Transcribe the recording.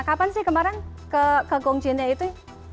kapan sih kemarin ke kung chinnya itu